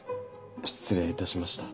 失礼いたしました。